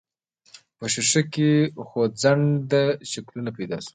په ښيښه کې خوځنده شکلونه پيدا شول.